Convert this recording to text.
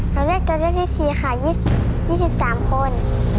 ตัวเลือกที่๔ค่ะยี่สิบสามคน